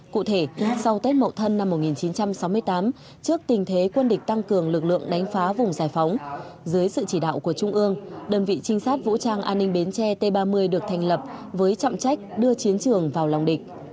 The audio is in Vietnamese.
cụ thể sau tết mậu thân năm một nghìn chín trăm sáu mươi tám trước tình thế quân địch tăng cường lực lượng đánh phá vùng giải phóng dưới sự chỉ đạo của trung ương đơn vị trinh sát vũ trang an ninh bến tre t ba mươi được thành lập với trọng trách đưa chiến trường vào lòng địch